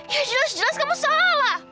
ya jelas jelas kamu salah